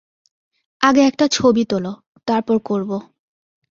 আগে একটা ছবি তোলো, তারপর করবো।